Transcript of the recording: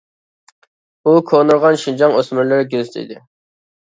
ئۇ كونىرىغان «شىنجاڭ ئۆسمۈرلىرى» گېزىتى ئىدى.